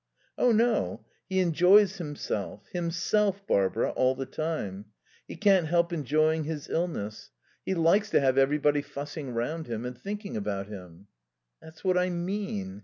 "Oh, no. He enjoys himself himself, Barbara all the time. He can't help enjoying his illness. He likes to have everybody fussing round him and thinking about him." "That's what I mean.